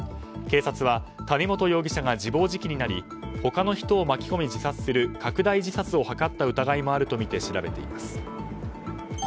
警察は谷本容疑者が自暴自棄になり他の人を巻き込み自殺する拡大自殺を図った疑いもあるとみて調べています。